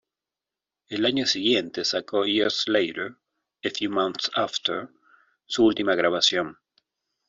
El año siguiente sacó "Years Later...A Few Months After", su última grabación.